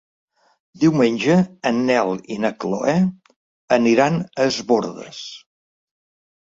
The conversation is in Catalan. Diumenge en Nel i na Chloé aniran a Es Bòrdes.